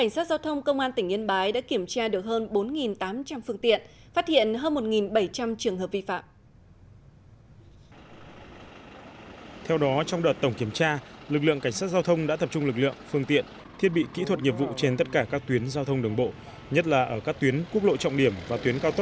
sau một mươi ngày gia quân tổng kiểm tra ô tô chở khách container và mô tô